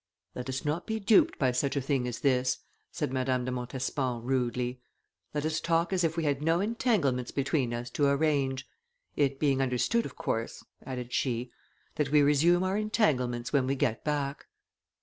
"Let us not be duped by such a thing as this," said Madame de Montespan, rudely; "let us talk as if we had no entanglements between us to arrange; it being understood, of course," added she, "that we resume our entanglements when we get back."